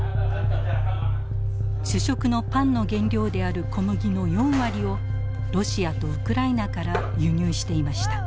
主食のパンの原料である小麦の４割をロシアとウクライナから輸入していました。